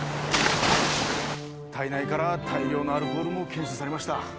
体内から大量のアルコールも検出されました。